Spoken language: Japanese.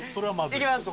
いきます！